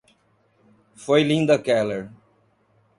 Foi Linda Keller!